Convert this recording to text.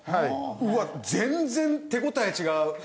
うわ全然手応え違う！